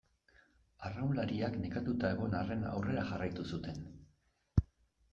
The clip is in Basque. Arraunlariak nekatuta egon arren aurrera jarraitu zuten.